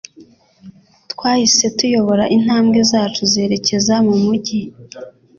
Twahise tuyobora intambwe zacu zerekeza mu mujyi